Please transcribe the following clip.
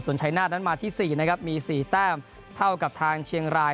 ชัยนาศนั้นมาที่๔นะครับมี๔แต้มเท่ากับทางเชียงราย